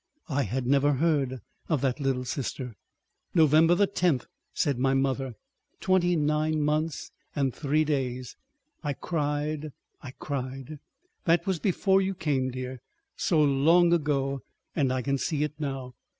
I had never heard of that little sister. "November the tenth," said my mother. "Twenty nine months and three days. ... I cried. I cried. That was before you came, dear. So long ago—and I can see it now.